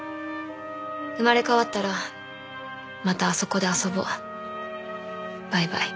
「生まれ変わったらまたあそこで遊ぼう」「バイバイ」